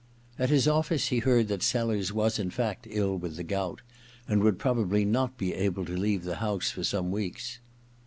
At his office he heard that Sellers was in fact ill with the gout, and would probably not be able to leave the house for some weeks.